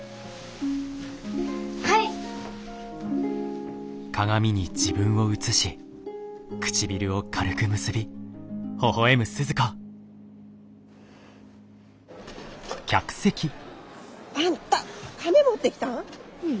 はい！あんたカメ持ってきたん！？